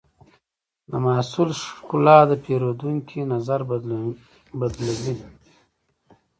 د محصول ښکلا د پیرودونکي نظر بدلونوي.